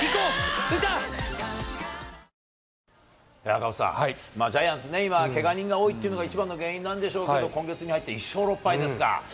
赤星さん、ジャイアンツ、今、けが人が多いっていうのが一番の原因なんでしょうけれども、今月に入って１勝６敗ですか。